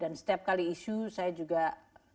dan setiap kali isu saya juga terus akan mengecek kepada mereka